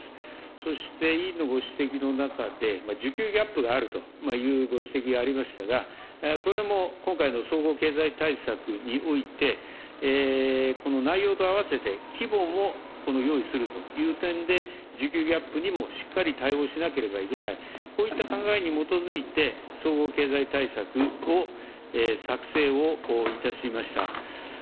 そして委員のご指摘の中で、需給ギャップがあるというご指摘がありましたが、これも今回の総合経済対策において、この内容とあわせて規模も用意するという点で、需給ギャップにもしっかり対応しなければいけない、こういった考えに基づいて、総合経済対策を作成をいたしました。